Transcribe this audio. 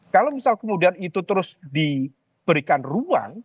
kalau misal kemudian itu terus diberikan ruang